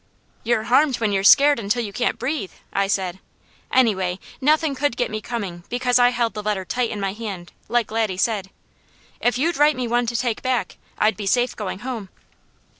"You're harmed when you're scared until you can't breathe," I said. "Anyway, nothing could get me coming, because I held the letter tight in my hand, like Laddie said. If you'd write me one to take back, I'd be safe going home."